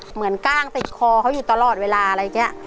กล้างติดคอเขาอยู่ตลอดเวลาอะไรอย่างนี้